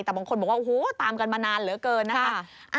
แต่บางคนบอกว่าโอ้โหตามกันมานานเหลือเกินนะคะ